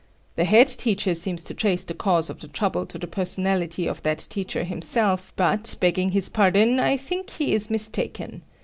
The head teacher seems to trace the cause of the trouble to the personality of that teacher himself, but, begging his pardon, I think he is mistaken.